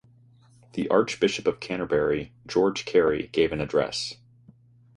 The Archbishop of Canterbury George Carey gave an address.